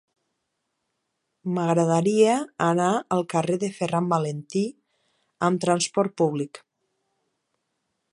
M'agradaria anar al carrer de Ferran Valentí amb trasport públic.